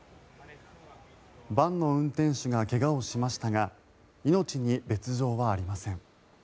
バンの運転手が怪我をしましたが命に別条はありません。